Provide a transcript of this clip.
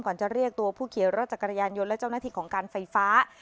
จะเรียกตัวผู้เขียวรถจักรยานยนต์และเจ้าหน้าที่ของการไฟฟ้า